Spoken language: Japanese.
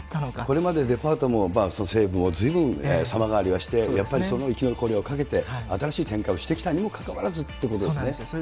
これまでデパートも、西武もずいぶん様変わりはして、やっぱりその生き残りをかけて、新しい展開をしてきたにもかかわらずということなんですね。